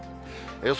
予想